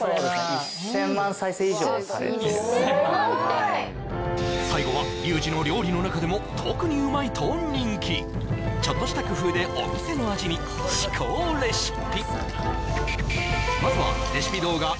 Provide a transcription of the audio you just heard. １０００万って最後はリュウジの料理の中でも特にうまいと人気ちょっとした工夫でお店の味に至高レシピ